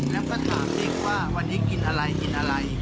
แล้วก็ถามเด็กว่าวันนี้กินอะไรกินอะไร